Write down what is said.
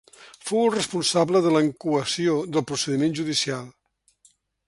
Fou el responsable de la incoació del procediment judicial.